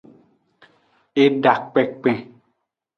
Eda kpenkpen.